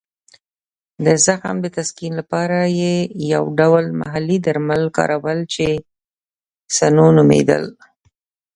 د زخم د تسکین لپاره یې یو ډول محلي درمل کارول چې سنو نومېدل.